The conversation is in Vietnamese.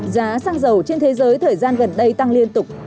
giá xăng dầu trên thế giới thời gian gần đây tăng liên tục